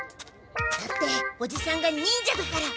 だっておじさんが忍者だから。